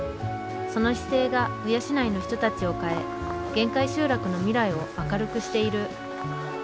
その姿勢が鵜養の人たちを変え限界集落の未来を明るくしている。